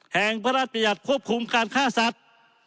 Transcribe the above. แห่งพระราชบัญญัติควบคุมการฆ่าสัตว์